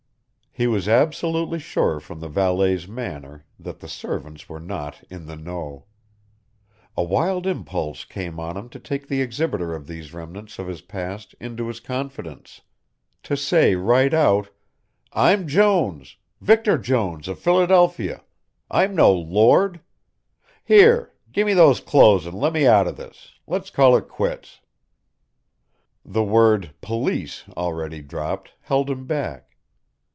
He was absolutely sure from the valet's manner that the servants were not "in the know." A wild impulse came on him to take the exhibitor of these remnants of his past into his confidence. To say right out: "I'm Jones. Victor Jones of Philadelphia. I'm no Lord. Here, gimme those clothes and let me out of this let's call it quits." The word "police" already dropped held him back.